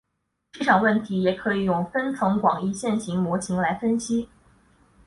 市场问题也可以用分层广义线性模型来分析。